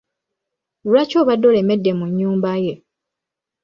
Lwaki obadde olemedde mu nnyumba ye?